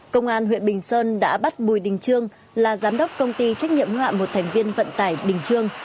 công an huyện bình sơn đã bắt bùi đình trương là giám đốc công ty trách nhiệm hoạn một thành viên vận tải bình trương